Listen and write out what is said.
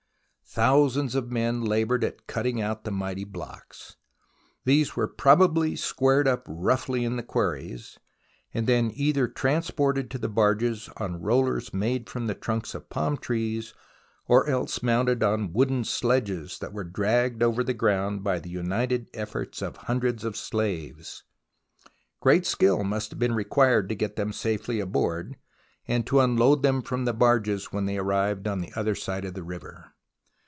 Thousands of men laboured at cutting out the mighty blocks. These were probably squared up roughly in the quarries, and then either transported to the barges on rollers made from the trunks of palm trees, or else mounted on wooden sledges that were dragged over the ground by the united efforts of hundreds of slaves. Great skill must have been required to get them safely aboard, and to unload them from the barges when they arrived on the other side of the river.